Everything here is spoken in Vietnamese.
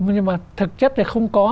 nhưng mà thực chất thì không có